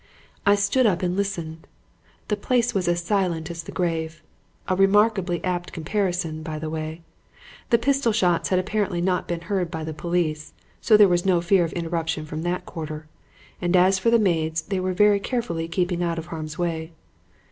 "I stood up and listened. The place was as silent as the grave; a remarkably apt comparison, by the way. The pistol shots had apparently not been heard by the police, so there was no fear of interruption from that quarter; and as for the maids they were very carefully keeping out of harm's way.